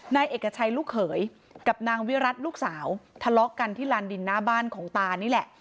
นายเอกชัยลูกเขยกับนางวิรัติลูกสาวทะเลาะกันที่ลานดินหน้าบ้านของตานี่แหละ